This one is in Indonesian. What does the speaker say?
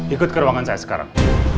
ikut ke ruangan saya sekarang